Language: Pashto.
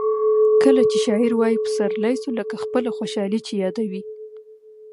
کله چي شاعر وايي پسرلی سو؛ لکه خپله خوشحالي چي یادوي.